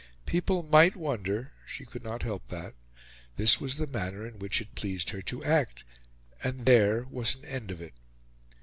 People might wonder; she could not help that; this was the manner in which it pleased her to act, and there was an end of it.